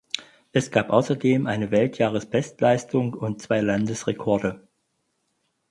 Es gab außerdem eine Weltjahresbestleistung und zwei Landesrekorde.